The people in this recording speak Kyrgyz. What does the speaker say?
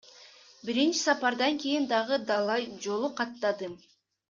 Биринчи сапардан кийин дагы далай жолу каттадым.